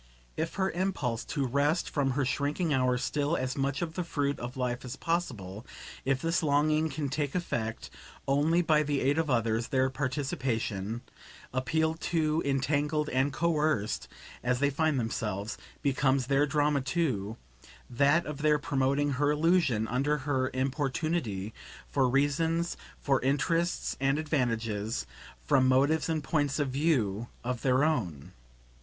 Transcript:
If her impulse to wrest from her shrinking hour still as much of the fruit of life as possible, if this longing can take effect only by the aid of others, their participation (appealed to, entangled and coerced as they find themselves) becomes their drama too that of their promoting her illusion, under her importunity, for reasons, for interests and advantages, from motives and points of view, of their own.